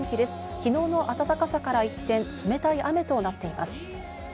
昨日の暖かさから一転、冷たい雨となっています。